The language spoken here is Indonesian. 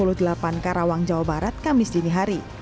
di gelapan karawang jawa barat kamis dini hari